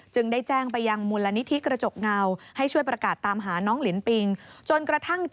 จึงได้แจ้งไปยังมูลนิธิกระจกเงาให้ช่วยประกาศตามหาน้องหลินปิง